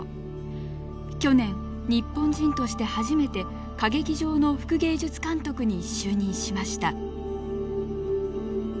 去年日本人として初めて歌劇場の副芸術監督に就任しました。